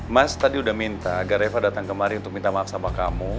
mas tadi udah minta agar eva datang kemari untuk minta maaf sama kamu